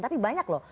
tapi banyak loh